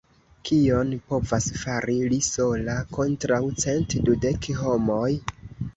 Kion povas fari li sola kontraŭ cent dudek homoj?